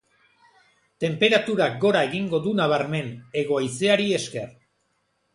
Tenperaturak gora egingo du nabarmen, hego haizeari esker.